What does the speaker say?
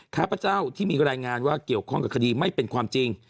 ข้าพเจ้าที่มีรายงานว่าเกี่ยวข้องกับคดีไม่เป็นความจริง